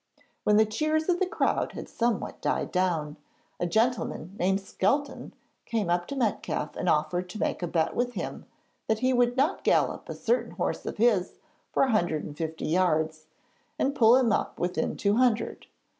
When the cheers of the crowd had somewhat died down, a gentleman named Skelton came up to Metcalfe and offered to make a bet with him that he would not gallop a certain horse of his for a hundred and fifty yards, and pull him up within two hundred.